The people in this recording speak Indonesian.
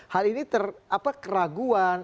hal ini apa keraguan